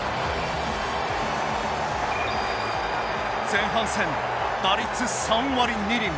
前半戦打率３割２厘。